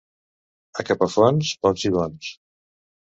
A Capafonts, pocs i bons.